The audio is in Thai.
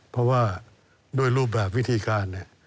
เพราะว่าด้วยรูปแบบวิธีการเนี่ย